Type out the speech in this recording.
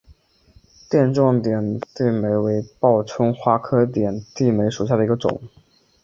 垫状点地梅为报春花科点地梅属下的一个种。